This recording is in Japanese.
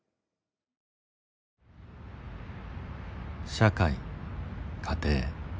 社会家庭。